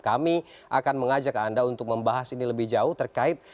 kami akan mengajak anda untuk membahas ini lebih jauh terkait